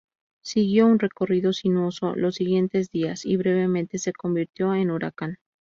Siguió un recorrido sinuoso los siguientes días, y brevemente se convirtió en huracán.